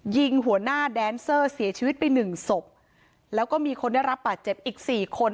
ยิงหัวหน้าแดนเซอร์เสียชีวิตไปหนึ่งศพแล้วก็มีคนได้รับบาดเจ็บอีกสี่คน